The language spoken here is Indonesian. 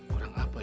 kurang apa ya